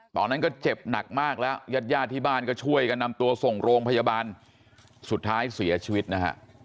ตอนนั้นก็เจ็บหนักมากแล้วยาดที่บ้านก็ช่วยกันนำตัวส่งโรงพยาบาลสุดท้ายเสียชีวิตนะฮะ